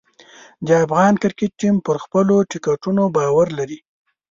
د افغان کرکټ ټیم پر خپلو ټکتیکونو باور لري.